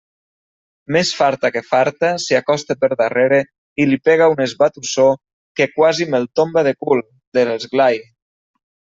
Més farta que farta, s'hi acosta per darrere i li pega un esbatussó que quasi me'l tomba de cul, de l'esglai.